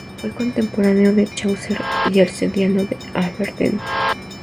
Fue contemporáneo de Chaucer y arcediano de Aberdeen.